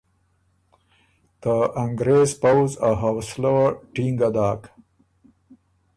ته انګرېز پؤځ ا حوصلۀ وه ټینګه داک۔